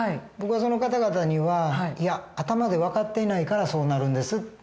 僕はその方々にはいや頭で分かっていないからそうなるんです。